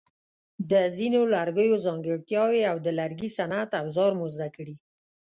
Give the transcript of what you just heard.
د ځینو لرګیو ځانګړتیاوې او د لرګي صنعت اوزار مو زده کړي.